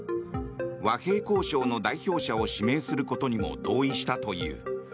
和平交渉の代表者を指名することにも同意したという。